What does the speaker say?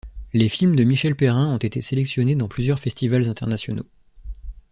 Les films de Michel Perrin ont été sélectionnés dans plusieurs festivals internationaux.